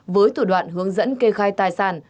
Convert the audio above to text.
với thủ đoạn hướng dẫn kê khai tài khoản